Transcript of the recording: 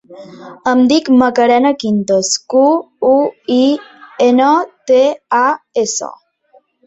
Em dic Macarena Quintas: cu, u, i, ena, te, a, essa.